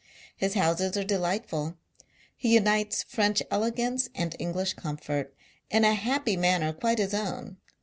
His houses are delightful. He j unites French elegance and English comfort, i in a happy manner quite his own.